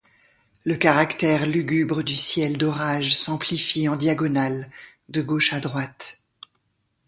Le caractère lugubre du ciel d'orage s'amplifie en diagonale de gauche à droite.